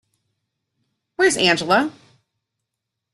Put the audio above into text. Where's Angela?